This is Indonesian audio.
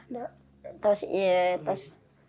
terus iya terus